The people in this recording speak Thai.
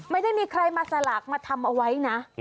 ไม่ได้มีใครมาสลากมาทำเอาไว้นะ